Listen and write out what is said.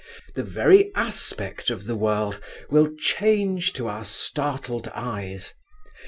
The very aspect of the world will change to our startled eyes.